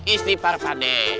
istighfar pak deh